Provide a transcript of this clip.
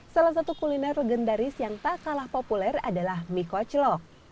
salah satu kuliner legendaris yang tak kalah populer adalah mie kocelok